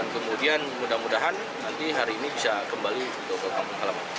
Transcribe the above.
kemudian mudah mudahan nanti hari ini bisa kembali ke kampung halaman